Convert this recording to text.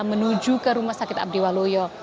menuju ke rumah sakit abdi waluyo